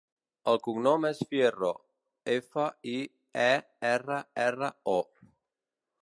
El cognom és Fierro: efa, i, e, erra, erra, o.